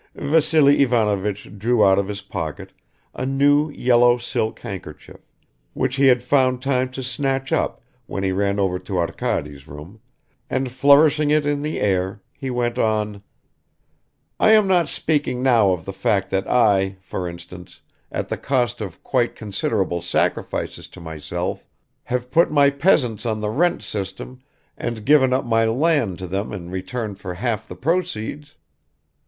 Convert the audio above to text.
Vassily Ivanovich drew out of his pocket a new yellow silk handkerchief, which he had found time to snatch up when he ran over to Arkady's room, and flourishing it in the air, he went on: "I am not speaking now of the fact that I, for instance, at the cost of quite considerable sacrifices to myself, have put my peasants on the rent system and given up my land to them in return for half the proceeds.